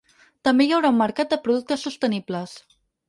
També hi haurà un mercat de productes sostenibles.